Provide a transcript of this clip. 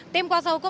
tim kuasa hukum